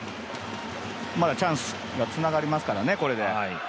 まだチャンスがつながりますからね、これで。